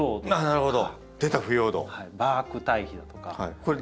なるほど。